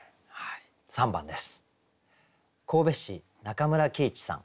３番です。